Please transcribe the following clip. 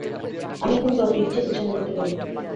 আমি এখন যত ইচ্ছে পেছনে যেতে পারি।